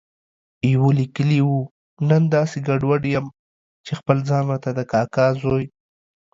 يوه ليکلي و، نن داسې ګډوډ یم چې خپل ځان راته د کاکا زوی